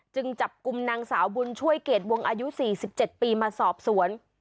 จับกลุ่มนางสาวบุญช่วยเกรดวงอายุ๔๗ปีมาสอบสวน